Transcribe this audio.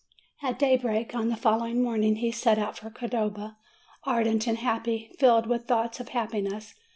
At daybreak on the following morning he set out for Cordova, ardent and smiling, filled with thoughts of happiness.